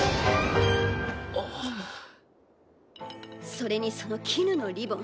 それにその絹のリボン